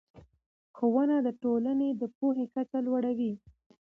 ښوونه د ټولنې د پوهې کچه لوړه وي